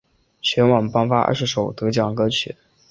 全晚颁发二十首得奖歌曲。